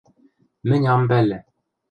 Мӹнь ам пӓлӹ...